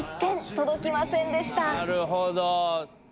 なるほど。